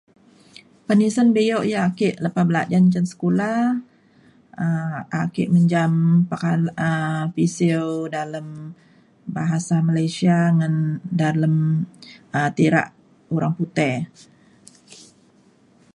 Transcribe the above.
penisen bio yak ake lepa belajan cen sekula um ake menjam pekalui pisiu dalem bahasa Malaysia ngan dalem um tirak orang putih.